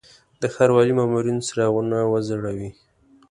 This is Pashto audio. د ښاروالي مامورین څراغونه وځړوي.